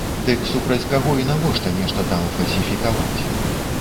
Дык супраць каго і навошта нешта там фальсіфікаваць?